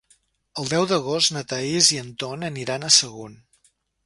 El deu d'agost na Thaís i en Ton iran a Sagunt.